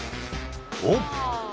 おっ？